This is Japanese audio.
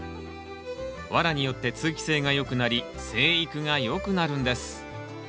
ワラによって通気性が良くなり生育が良くなるんです。